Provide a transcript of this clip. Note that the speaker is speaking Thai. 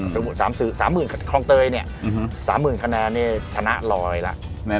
สามหมื่นคลองเตยเนี่ยสามหมื่นคะแนนเนี่ยชนะรอยแล้ว